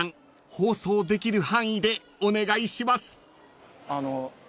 放送できる範囲でお願いします］